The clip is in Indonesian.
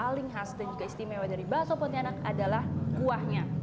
paling khas dan juga istimewa dari bakso pontianak adalah kuahnya